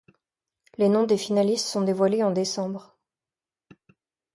Les noms des finalistes sont dévoilés en décembre.